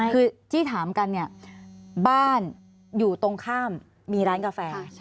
คือที่ถามกันเนี่ยบ้านอยู่ตรงข้ามมีร้านกาแฟ